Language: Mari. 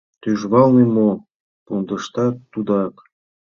Тӱжвалне мо, пундаштат тудак.